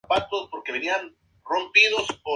María Águeda de San Ignacio".